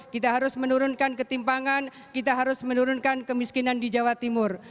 kita harus menurunkan ketimpangan kita harus menurunkan kemiskinan di jawa timur